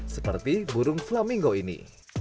seperti burung flamingo ini